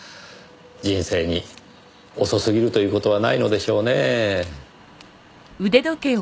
人生に遅すぎるという事はないのでしょうねぇ。